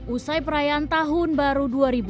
usai perayaan tahun baru dua ribu dua puluh